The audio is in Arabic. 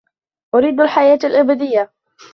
أُريد الحياة الأبدية!